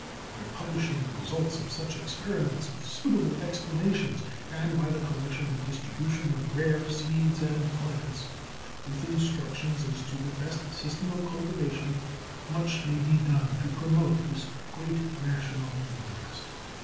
By publishing the results of such experiments, with suitable explanations, and by the collection and distribution of rare seeds and plants, with instructions as to the best system of cultivation, much may be done to promote this great national interest.